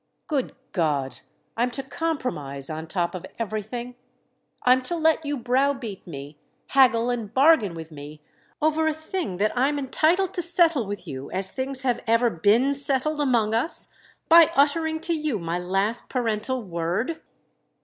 "Good God, I'm to 'compromise' on top of everything?—I'm to let you browbeat me, haggle and bargain with me, over a thing that I'm entitled to settle with you as things have ever been settled among us, by uttering to you my last parental word?"